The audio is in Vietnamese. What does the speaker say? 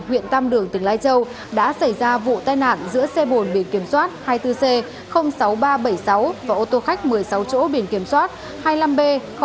huyện tam đường tỉnh lai châu đã xảy ra vụ tai nạn giữa xe bồn biển kiểm soát hai mươi bốn c sáu nghìn ba trăm bảy mươi sáu và ô tô khách một mươi sáu chỗ biển kiểm soát hai mươi năm b tám mươi tám